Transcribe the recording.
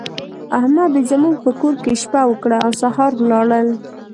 احمد دوی زموږ په کور کې شپه وکړه او سهار ولاړل.